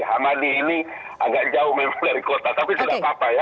hamadi ini agak jauh memang dari kota tapi tidak apa apa ya